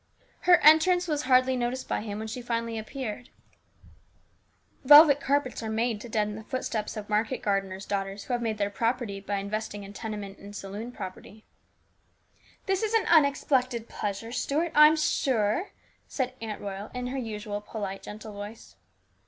Her entrance was hardly noticed by him when she finally appeared. Velvet carpets are made to deaden the footsteps of market gardeners' daughters who have made their money by investing in tenement and saloon property. STEWARDSHIP. 295 " This is an unexpected pleasure, Stuart, I am sure," said Aunt Royal in her usual polite, gentle voice.